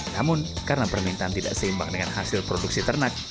namun karena permintaan tidak seimbang dengan hasil produksi ternak